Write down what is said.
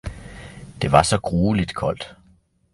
Det var så grueligt koldt.